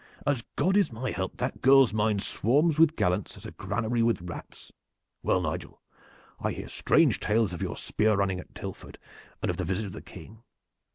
"As God is my help, that girl's mind swarms with gallants as a granary with rats. Well, Nigel, I hear strange tales of your spear running at Tilford and of the visit of the King.